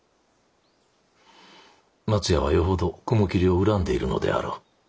松屋はよほど雲霧を恨んでいるのであろう。